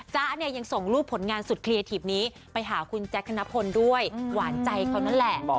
จ๊ะเนี่ยยังส่งรูปผลงานสุดเคลียร์ถีบนี้ไปหาคุณแจ๊คธนพลด้วยหวานใจเขานั่นแหละ